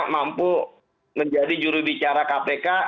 mampu menjadi jurubicara kpk